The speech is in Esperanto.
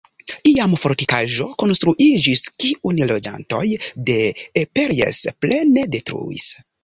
Iam fortikaĵo konstruiĝis, kiun loĝantoj de Eperjes plene detruis.